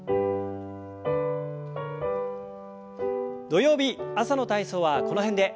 土曜日朝の体操はこの辺で。